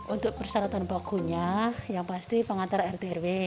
untuk persyaratan bakunya yang pasti pengantar rt dan rw